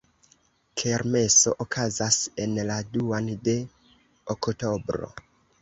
Kermeso okazas en la duan de oktobro.